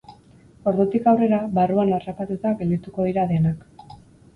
Ordutik aurrera, barruan harrapatuta geldituko dira denak.